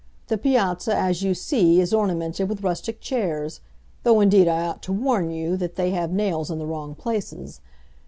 The piazza, as you see, is ornamented with rustic chairs; though indeed I ought to warn you that they have nails in the wrong places.